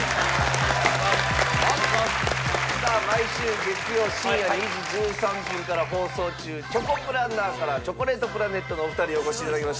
さあ毎週月曜深夜２時１３分から放送中『チョコプランナー』からチョコレートプラネットのお二人お越しいただきました。